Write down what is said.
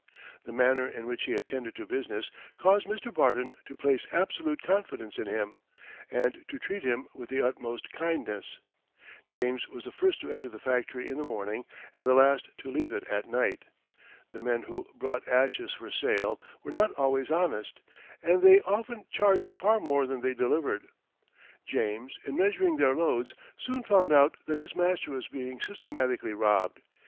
The manner in which he attended to business caused Mr. Barton to place absolute confidence in him, and to treat him with the utmost kindness. James was the first to enter the factory in the morning, and the last to leave it at night. The men who brought ashes for sale were not always honest, and they often charged for more than they delivered. James, in measuring their loads, soon found out that his master was being systematically robbed.